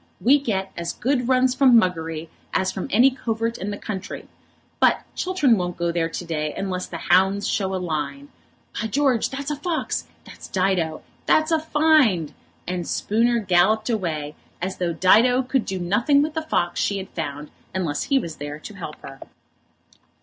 We get as good runs from Muggery as from any covert in the country. But Chiltern won't go there to day unless the hounds show a line. By George, that's a fox! That's Dido. That's a find!" And Spooner galloped away, as though Dido could do nothing with the fox she had found unless he was there to help her.